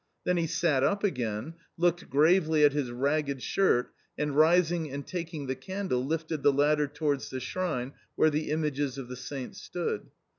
Then he sat up again, looked gravely at his ragged shirt, and rising and taking the candle, lifted the latter towards the shrine where the images of the saints stood.